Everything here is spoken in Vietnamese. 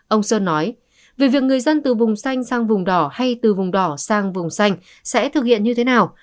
ông sơn nói về việc người dân từ vùng xanh sang vùng đỏ hay từ vùng đỏ sang vùng xanh sẽ thực hiện như thế nào